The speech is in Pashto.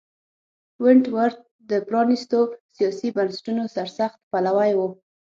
ونټ ورت د پرانیستو سیاسي بنسټونو سرسخت پلوی و.